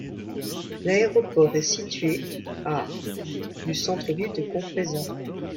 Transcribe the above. L'aéroport est situé à du centre-ville de Confresa.